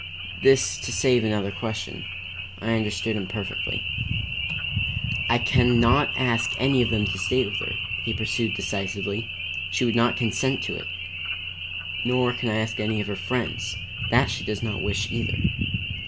This to save another question. I understood him perfectly. "I can not ask any of them to stay with her," he pursued decisively. "She would not consent to it. Nor can I ask any of her friends. That she does not wish, either.